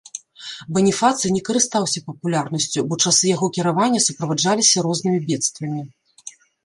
Баніфацый не карыстаўся папулярнасцю, бо часы яго кіравання суправаджаліся рознымі бедствамі.